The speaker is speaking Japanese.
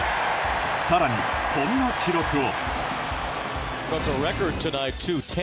更に、こんな記録を。